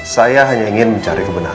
saya hanya ingin mencari kebenaran